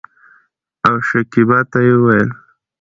او شکيبا ته يې وويل